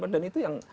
dan itu yang